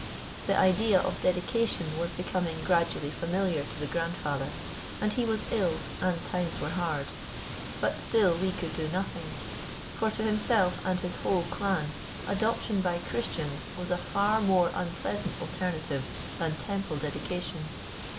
The idea of dedication was becoming gradually familiar to the grandfather, and he was ill and times were hard. But still we could do nothing, for to himself and his whole clan adoption by Christians was a far more unpleasant alternative than Temple dedication.